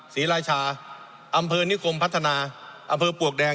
ศรีราชาอำเภอนิคมพัฒนาอำเภอปลวกแดง